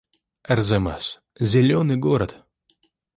Арзамас — зелёный город